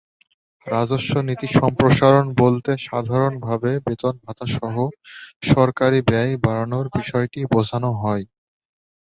রাজস্ব নীতি সম্প্রসারণ বলতে সাধারণভাবে বেতন-ভাতাসহ সরকারি ব্যয় বাড়ানোর বিষয়টি বোঝানো হয়।